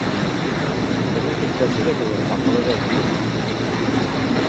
Һеҙҙең бит сәсегеҙ оҙон, аҡылығыҙ юҡ!